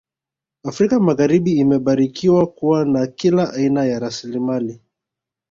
Afrika magharibi imebarikiwa kuwa na kila aina ya rasilimali